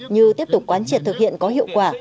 như tiếp tục quán triệt thực hiện có hiệu quả